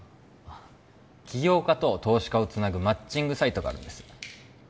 起業家と投資家をつなぐマッチングサイトがあるんです